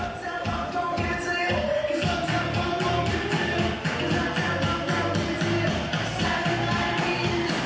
นะมันกำลังพริ้ว